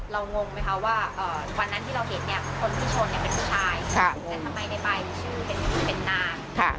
เรางงไหมคะว่าเอ่อวันนั้นที่เราเห็นเนี้ยคนที่ชนเนี้ยเป็นผู้ชายค่ะงงแต่ทำไมในปลายชื่อเป็นเป็นนางค่ะ